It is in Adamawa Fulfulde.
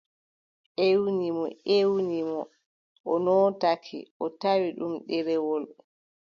Ƴewni mo ƴewni mo, o nootaaki, o tawi ɗum ɗereewol.